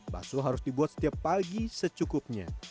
bakso harus dibuat setiap pagi secukupnya